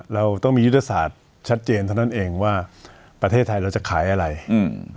เราต้องมียุทธศาสตร์ชัดเจนเท่านั้นเองว่าประเทศไทยเราจะขายอะไรอืม